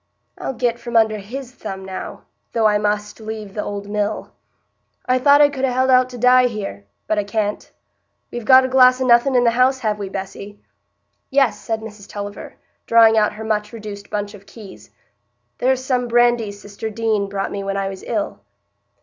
"I'll get from under his thumb now, though I must leave the old mill. I thought I could ha' held out to die here—but I can't——we've got a glass o' nothing in the house, have we, Bessy?" "Yes," said Mrs Tulliver, drawing out her much reduced bunch of keys, "there's some brandy sister Deane brought me when I was ill."